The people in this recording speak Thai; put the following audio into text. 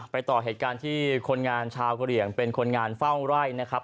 ต่อเหตุการณ์ที่คนงานชาวกะเหลี่ยงเป็นคนงานเฝ้าไร่นะครับ